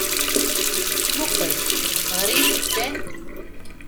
Mmuqqel, ɣer-iyi-d kan.